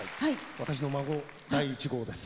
私の孫第１号です。